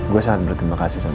gue sangat berterima kasih sama